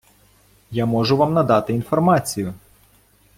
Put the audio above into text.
Я можу вам надати інформацію.